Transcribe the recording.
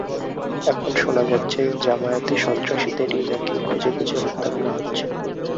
এখন শোনা যাচ্ছে, জামায়াতি সন্ত্রাসীদেরই নাকি খুঁজে খুঁজে হত্যা করা হচ্ছে।